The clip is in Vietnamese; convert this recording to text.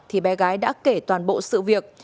thì bé gái đã kể toàn bộ sự việc